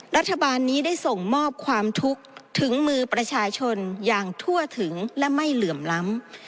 รัฐบาลนี้ได้ส่งมอบความทุกข์ถึงมือประชาชนอย่างทั่วถึงและไม่เหลื่อมล้ำ